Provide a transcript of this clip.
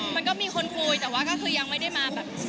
มันก็มีคนคุยแต่ว่าก็คือยังไม่ได้มาแบบ